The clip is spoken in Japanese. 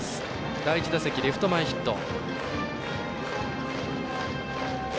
第１打席、レフト前ヒット。